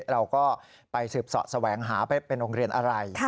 เราก็ไปสืบเสาะแสวงหาไปเป็นโรงเรียนอะไร